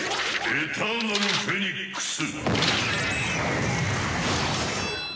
「エターナルフェニックス！」